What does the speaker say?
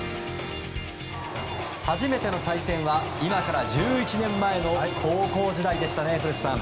初めての対戦は今から１１年前の高校時代でしたね、古田さん。